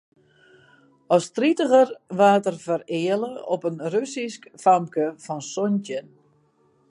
As tritiger waard er fereale op in Russysk famke fan santjin.